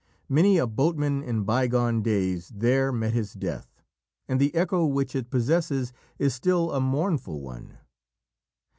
Many a boatman in bygone days there met his death, and the echo which it possesses is still a mournful one.